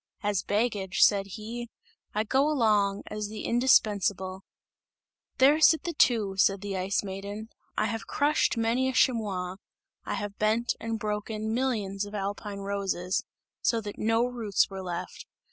"As baggage," said he, "I go along, as the indispensable!" "There sit the two," said the Ice Maiden, "I have crushed many a chamois; I have bent and broken millions of alpine roses, so that no roots were left!